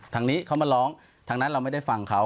ทางนี้เขามาร้องทางนั้นเราไม่ได้ฟังเขา